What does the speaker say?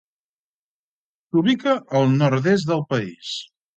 S'ubica al nord-est del país.